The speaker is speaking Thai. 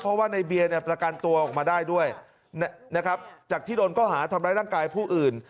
เพราะว่าในเบียร์เนี่ยประกันตัวออกมาได้ด้วยนะครับจากที่โดนก็หาทำร้ายร่างกายผู้อื่น